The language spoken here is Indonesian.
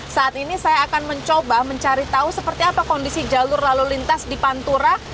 saat ini saya akan mencoba mencari tahu seperti apa kondisi jalur lalu lintas di pantura